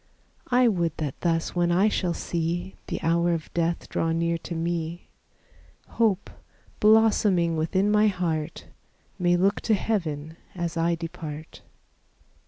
I would that thus when I shall see The hour of death draw near to me, Hope, blossoming within my heart, May look to heaven as I depart.